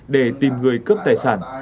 để tìm người cướp tài sản